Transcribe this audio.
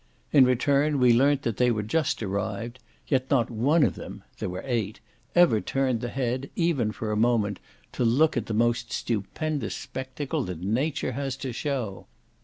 In return we learnt that they were just arrived; yet not one of them (there were eight) ever turned the head, even for a moment, to look at the most stupendous spectacle that nature has to show.